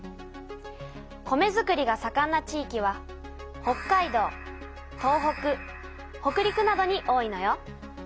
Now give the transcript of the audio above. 米づくりがさかんな地域は北海道東北北陸などに多いのよ。